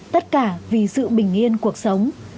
tất cả vì sự bình yên cuộc sống